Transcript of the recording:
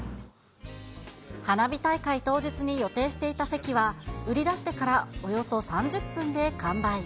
花火大会当日に予定していた席は売り出してからおよそ３０分で完売。